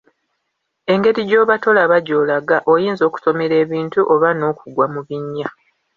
Engeri gy’oba tolaba gy’olaga, oyinza okutomera ebintu oba n’okugwa mu binnya.